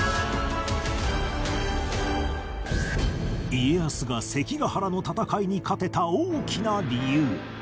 家康が関ヶ原の戦いに勝てた大きな理由